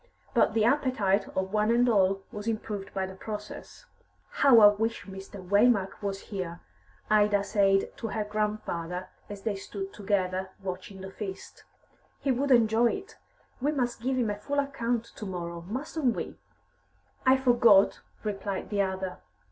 But the appetite of one and all was improved by the process. "How I wish Mr. Waymark was here!" Ida said to her grandfather, as they stood together, watching the feast. "He would enjoy it. We must give him a full account to morrow, mustn't we?" "I forgot," replied the other.